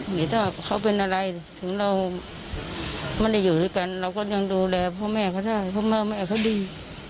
หรือถ้าเขาเป็นอะไรถึงเราไม่ได้อยู่ด้วยกันเราก็ยังดูแลพ่อแม่เขาได้พ่อแม่เขาดี